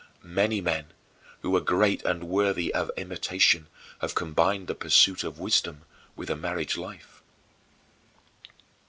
Many men, who are great and worthy of imitation, have combined the pursuit of wisdom with a marriage life."